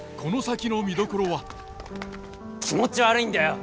気持ち悪いんだよ！